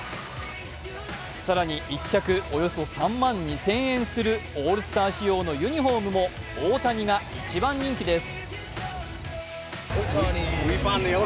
更に１着およそ３万２０００円するオールスター仕様のユニフォームも大谷が一番人気です。